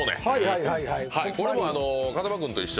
これも風間君と一緒。